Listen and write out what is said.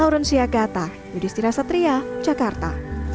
lauren siagata yudhistira satria jakarta